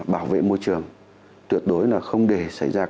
bảo vệ môi trường tuyệt đối là không để xảy ra